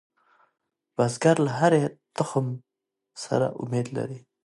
بزګر له هرې تخم سره امید لري